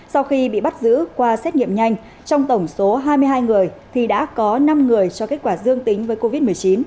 sau khi bị bắt giữ qua xét nghiệm nhanh trong tổng số hai mươi hai người thì đã có năm người cho kết quả dương tính với covid một mươi chín